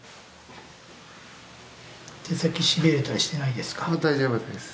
手先しびれたりしてないですか？